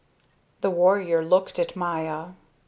The warrior looked at Maya.